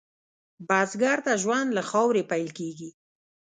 بزګر ته ژوند له خاورې پیل کېږي